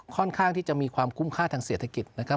ค่อนข้างที่จะมีความคุ้มค่าทางเศรษฐกิจนะครับ